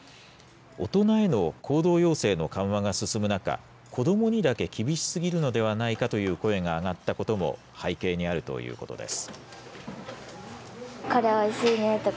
大人への行動要請の緩和が進む中、子どもにだけ厳しすぎるのではないかという声が上がったことも背景にあるということです。